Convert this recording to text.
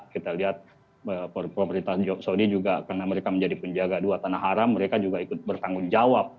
kita lihat pemerintah saudi juga karena mereka menjadi penjaga dua tanah haram mereka juga ikut bertanggung jawab